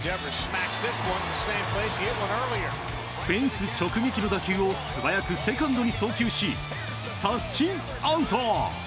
フェンス直撃の打球を素早くセカンドに送球しタッチアウト！